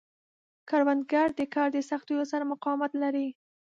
کروندګر د کار د سختیو سره مقاومت لري